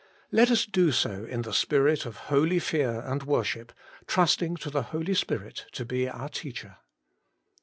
Let us do so in the spirit of holy fear and worship, trusting to the Holy Spirit to be our teacher.